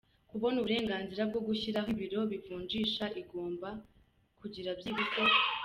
kubona uburenganzira bwo gushyiraho ibiro by’ivunjisha igomba : Kugira byibuze